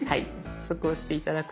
そこ押して頂くと。